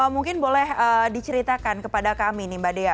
mungkin boleh diceritakan kepada kami nih mbak dea